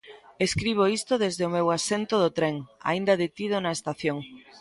Escribo isto desde o meu asento do tren, aínda detido na estación.